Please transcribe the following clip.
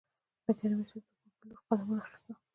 د کریمي صیب د کور په لور قدمونه اخیستل.